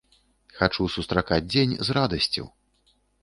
Хачу сустракаць дзень з радасцю!